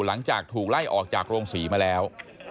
หลังจากถูกไล่ออกจากโรงศรีมาแล้ว